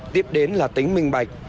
tiếp đến là tính minh bạch